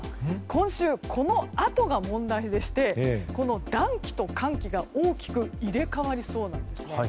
今週このあとが問題でしてこの暖気と寒気が大きく入れ替わりそうなんですね。